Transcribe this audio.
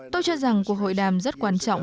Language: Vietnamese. tôi cho rằng cuộc hội đàm rất quan trọng